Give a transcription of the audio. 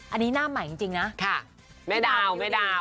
อันนี้หน้าใหม่จริงนะแม่ดาวแม่ดาว